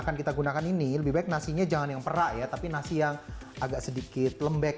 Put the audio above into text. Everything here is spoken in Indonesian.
yang kita gunakan ini lebih baik nasinya jangan yang perak ya tapi nasi yang agak sedikit lembek